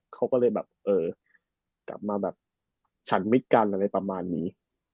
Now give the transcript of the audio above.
เขาก็เลยกลับมาไฉมิกกันประมาณนี้